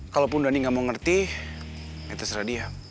kalaupun dany gak mau ngerti itu serah dia